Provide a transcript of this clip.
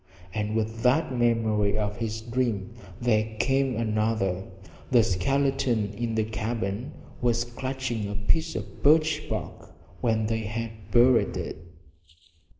And with that memory of his dream there came another the skeleton in the cabin was clutching a piece of birch bark when they had buried it!